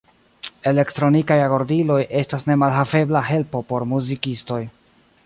Elektronikaj agordiloj estas nemalhavebla helpo por muzikistoj.